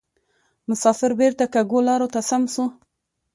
مسافر بیرته کږو لارو ته سم سو